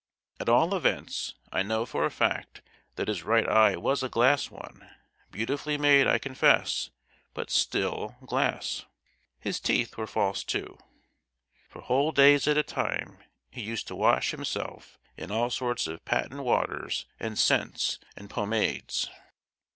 At all events, I know for a fact that his right eye was a glass one; beautifully made, I confess, but still—glass. His teeth were false too. For whole days at a time he used to wash himself in all sorts of patent waters and scents and pomades.